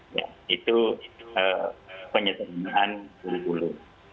ya itu penyetelanian kulit bulu